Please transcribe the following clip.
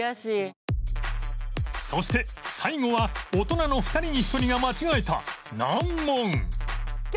そして最後は大人の２人に１人が間違えた難問